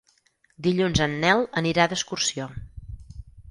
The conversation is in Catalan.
Dilluns en Nel anirà d'excursió.